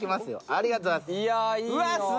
ありがとうございます。